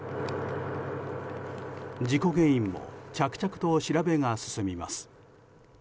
事故原因も着々と調べが進みます。